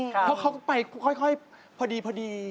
เพราะเขาก็ไปค่อยพอดี